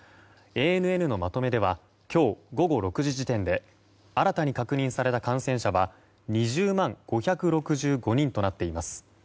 ＡＮＮのまとめでは今日午後６時時点で新たに確認された感染者は２０万５６５人となっています。